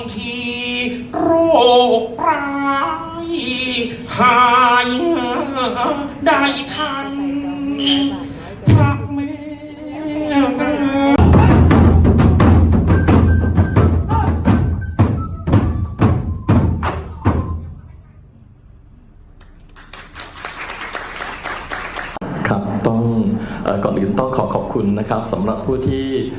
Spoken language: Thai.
พระเมตต์เมียท่านท่วงที่